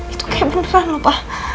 itu kayak beneran loh pa